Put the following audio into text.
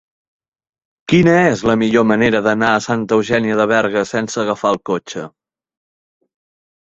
Quina és la millor manera d'anar a Santa Eugènia de Berga sense agafar el cotxe?